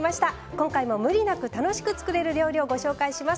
今回もムリなく楽しく作れる料理をご紹介します。